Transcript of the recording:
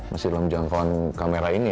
masih dalam jangkauan kamera ini